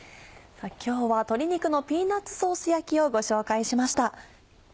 今日は「鶏肉のピーナッツソース焼き」をご紹介しました。